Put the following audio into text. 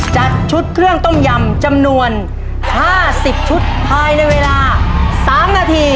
จัดชุดเครื่องต้มยำจำนวน๕๐ชุดภายในเวลา๓นาที